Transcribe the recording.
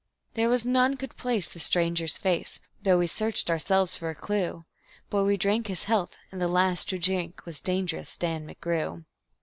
There was none could place the stranger's face, though we searched ourselves for a clue; But we drank his health, and the last to drink was Dangerous Dan McGrew.